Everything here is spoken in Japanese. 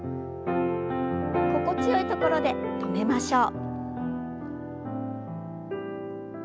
心地よいところで止めましょう。